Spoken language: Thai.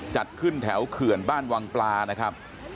จัดขึ้นแถวเขื่อนบ้านวังปลานะครับ